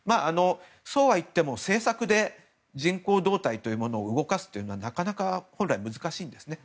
そうはいっても政策で人口動態というものを動かすということは、なかなか本来、難しんですね。